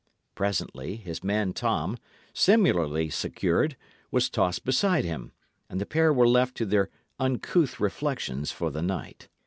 Presently, his man Tom, similarly secured, was tossed beside him, and the pair were left to their uncouth reflections for the night.